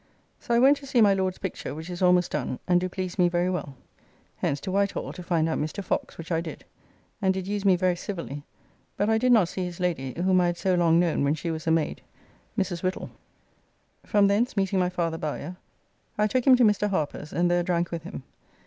So I went to see my Lord's picture, which is almost done, and do please me very well. Hence to Whitehall to find out Mr. Fox, which I did, and did use me very civilly, but I did not see his lady, whom I had so long known when she was a maid, Mrs. Whittle. From thence meeting my father Bowyer, I took him to Mr. Harper's, and there drank with him.